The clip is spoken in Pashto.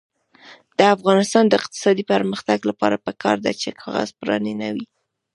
د افغانستان د اقتصادي پرمختګ لپاره پکار ده چې کاغذ پراني نه وي.